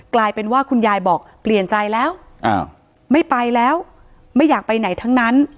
กลายเป็นว่าคุณยายบอกเปลี่ยนใจแล้วไม่ไปแล้วไม่อยากไปไหนทั้งนั้น